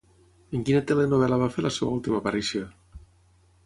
En quina telenovel·la va fer la seva última aparició?